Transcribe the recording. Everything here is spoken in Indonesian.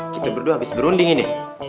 kita berdua habis berunding ini